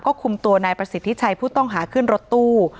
คุมตัวนายประสิทธิชัยผู้ต้องหาขึ้นรถตู้